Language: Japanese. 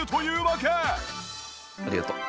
ありがとう。